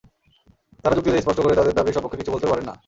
তাঁরা যুক্তি দিয়ে স্পষ্ট করে তাঁদের দাবির সপক্ষে কিছু বলতেও পারেন না।